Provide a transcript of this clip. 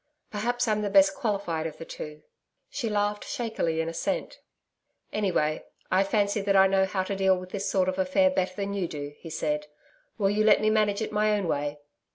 Perhaps I'm the best qualified of the two....' She laughed shakily in assent. 'Anyway, I fancy that I know how to deal with this sort of affair better than you do,' he said. 'Will you let me manage it my own way?'